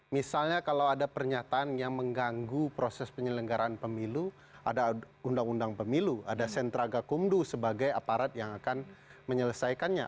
misalnya kalau ada pernyataan yang mengganggu proses penyelenggaraan pemilu ada undang undang pemilu ada sentra gakumdu sebagai aparat yang akan menyelesaikannya